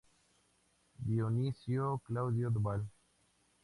Dionisio Claudio Duval.